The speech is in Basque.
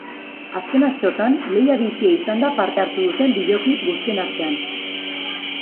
Azken asteotan lehia bizia izan da parte hartu duten bideoklip guztien artean.